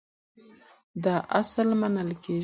دا اصل منل کېږي.